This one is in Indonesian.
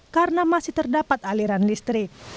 karena masih terdapat aliran listrik